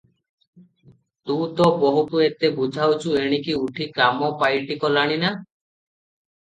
ତୁ ତ ବୋହୂକୁ ଏତେ ବୁଝାଉଛୁ, ଏଣିକି ଉଠି କାମ ପାଇଟି କଲାଣି ନା?"